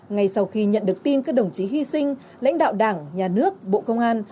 ngay sau khi nhận được tin các đồng chí hy sinh lãnh đạo đảng nhà nước bộ công an